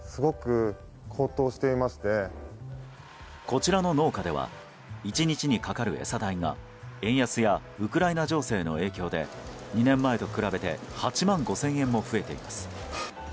こちらの農家では１日にかかる餌代が円安やウクライナ情勢の影響で２年前と比べて８万５０００円も増えています。